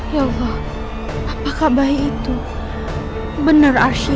ya allah apakah bayi itu benar arsyuku